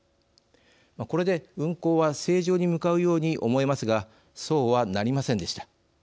これで運行は正常に向かうように思えますがそうはなりませんでした。